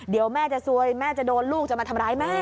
เดี๋ยวแม่จะซวยแม่จะโดนลูกจะมาทำร้ายแม่